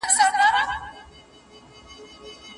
قتلول یې یوله بله په زرګونه